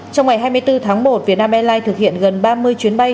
trong ngày hai mươi bốn tháng một việt nam airlines thực hiện gần ba mươi chuyến bay